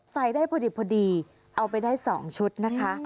ใส่ได้พอดีเอาไปได้๒ชุดนะคะ